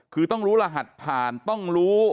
คือต้องรู้รหัสผ่านต้องรู้